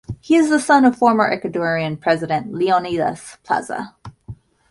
He is the son of former Ecuadorian President Leonidas Plaza.